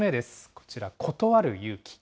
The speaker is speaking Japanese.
こちら、断る勇気。